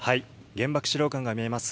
原爆資料館が見えます